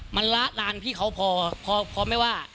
มันละลานพี่เขาพอไม่ว่า